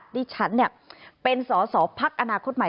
นี่ฉันเนี่ยเป็นส้อพักอนาคตหมาย